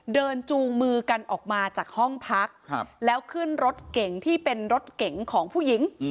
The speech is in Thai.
จูงมือกันออกมาจากห้องพักแล้วขึ้นรถเก่งที่เป็นรถเก๋งของผู้หญิง